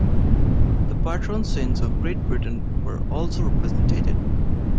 The patron saints of Great Britain are also represented.